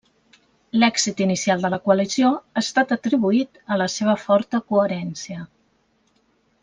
L'èxit inicial de la coalició ha estat atribuït a la seva forta coherència.